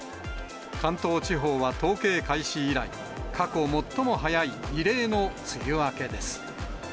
関東地方は統計開始以来、過去最も早い異例の梅雨明けです。